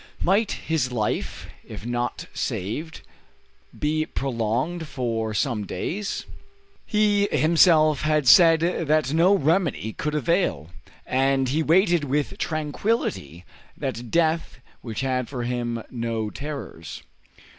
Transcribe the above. Might his life, if not saved, be prolonged for some days? He himself had said that no remedy could avail, and he awaited with tranquillity that death which had for him no terrors.